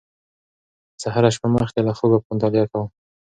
زه هره شپه مخکې له خوبه مطالعه کوم.